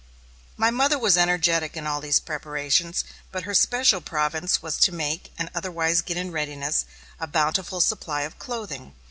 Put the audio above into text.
My mother was energetic in all these preparations, but her special province was to make and otherwise get in readiness a bountiful supply of clothing.